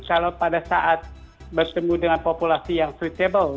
kalau pada saat bertemu dengan populasi yang freetable